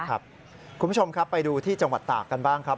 คุณผู้ชมครับไปดูที่จังหวัดตากกันบ้างครับ